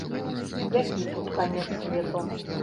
Які тут канец свету.